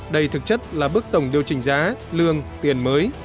đây thực chất là bước tổng điều chỉnh giá lương tiền mới